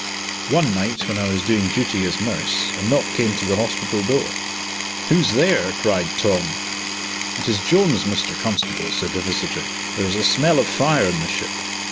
One night when I was doing duty as nurse, a knock came to the hospital door. "Who's there," cried Tom. "It is Jones, Mr. Constable," said the visitor, "there is a smell of fire in the ship."